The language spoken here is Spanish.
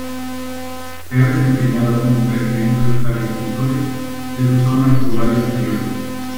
Se ha desempeñado como presidente de los agricultores de su zona por varios periodos.